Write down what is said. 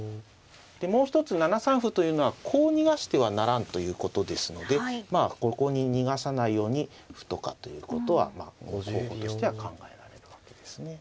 もう一つ７三歩というのはこう逃がしてはならんということですのでここに逃がさないように歩とかということは候補しては考えられるわけですね。